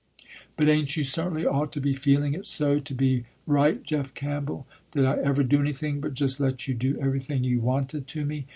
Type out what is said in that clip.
"But ain't you certainly ought to be feeling it so, to be right, Jeff Campbell. Did I ever do anything but just let you do everything you wanted to me.